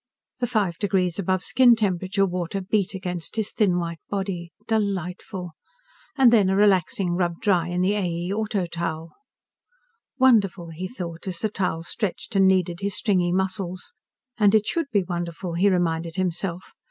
The five degrees above skin temperature water beat against his thin white body. Delightful! And then a relaxing rub dry in the A. E. Auto towel. Wonderful, he thought, as the towel stretched and kneaded his stringy muscles. And it should be wonderful, he reminded himself.